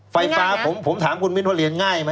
ไฟฟ้าผมถามคุณมิ้นว่าเรียนง่ายไหม